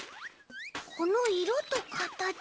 このいろとかたち。